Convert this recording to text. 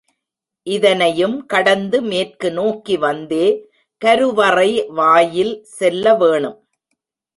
இதனையும் கடந்து மேற்கு நோக்கி வந்தே கருவறை வாயில் செல்லவேணும்.